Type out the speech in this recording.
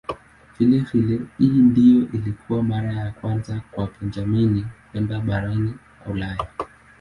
Vilevile hii ndiyo ilikuwa mara ya kwanza kwa Benjamin kwenda barani Ulaya.